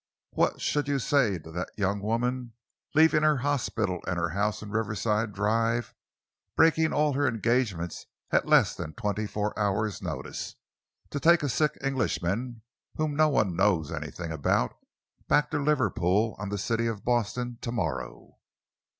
"What should you say to that young woman leaving her hospital and her house in Riverside Drive, breaking all her engagements at less than twenty four hours' notice, to take a sick Englishman whom no one knows anything about, back to Liverpool on the City of Boston to morrow?"